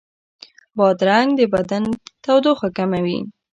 بادرنګ د بدن تودوخه کموي.